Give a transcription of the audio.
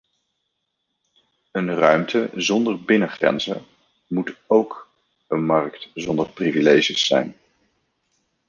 Een ruimte zonder binnengrenzen moet ook een markt zonder privileges zijn.